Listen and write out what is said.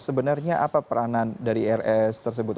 sebenarnya apa peranan dari rs tersebut